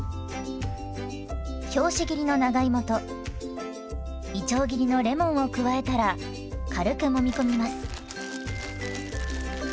拍子切りの長芋といちょう切りのレモンを加えたら軽くもみこみます。